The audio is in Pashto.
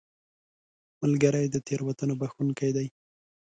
ملګری د تېروتنو بخښونکی دی